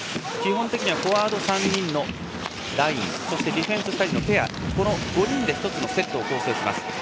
基本的にフォワード３人のラインそして、ディフェンス２人のペアこの５人で１つのセットを構成します。